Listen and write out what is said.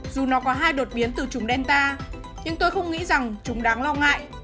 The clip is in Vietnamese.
dù nó có hai đột biến từ chủng delta nhưng tôi không nghĩ rằng chủng đáng lo ngại